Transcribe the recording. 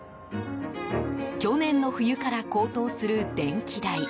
去年の冬から高騰する電気代。